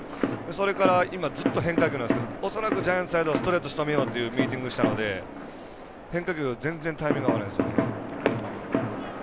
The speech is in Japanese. それから、今ずっと変化球なんですけど恐らく、ジャイアンツサイドストレートしとめようというミーティングをしたので変化球、全然タイミング合わないですよ。